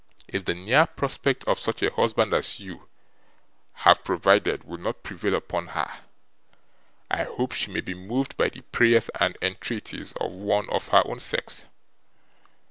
If the near prospect of such a husband as you have provided will not prevail upon her, I hope she may be moved by the prayers and entreaties of one of her own sex.